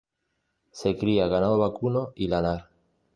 Se cría ganado vacuno y lanar.